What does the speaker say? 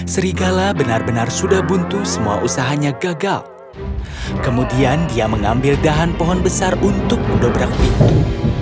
serigala benar benar sudah buntu semua usahanya gagal kemudian dia mengambil dahan pohon besar untuk mendobrak pintu